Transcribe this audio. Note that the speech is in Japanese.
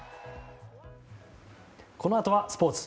このあとはスポーツ。